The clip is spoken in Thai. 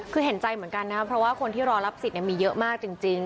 คือเห็นใจเหมือนกันนะครับเพราะว่าคนที่รอรับสิทธิ์มีเยอะมากจริง